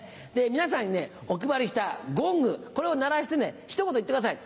皆さんにお配りしたゴングこれを鳴らしてひと言言ってください。